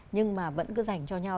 nhưng mà vẫn cứ dành cho nhau